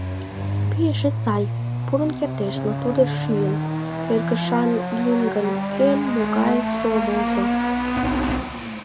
Пӱй эше сай, пурын кертеш, но тудо шӱйын, кӧргашан лийын гын, кӧн могай сомылжо?